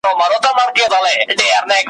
موږ په ازل کاږه پیدا یو نو بیا نه سمیږو ,